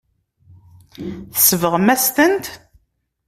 Tsebɣem-asen-t.